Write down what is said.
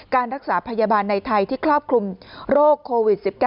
การรักษาพยาบาลในไทยที่ครอบคลุมโรคโควิด๑๙